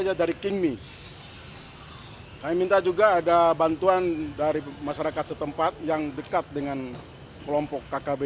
saya belum tahu itu mereka minta tempusan atau ini belum tahu kami akan komunikasi